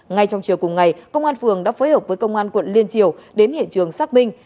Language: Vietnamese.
ngay trong chiều cùng ngày công an phường đã phối hợp với công an quận liên triều đến hiện trường xác minh